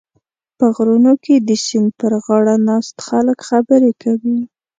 په غرونو کې د سیند پرغاړه ناست خلک خبرې کوي.